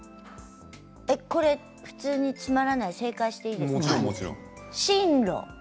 これ、普通につまらない正解をしていいですか？